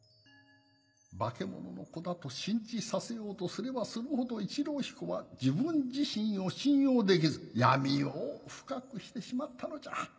バケモノの子だと信じさせようとすればするほど一郎彦は自分自身を信用できず闇を深くしてしまったのじゃ。